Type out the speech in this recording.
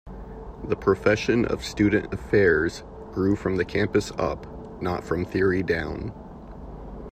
The profession of student affairs "grew from the campus up, not from theory down".